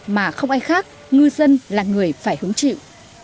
mà không ai khác ngư dân là người phải hứng chịu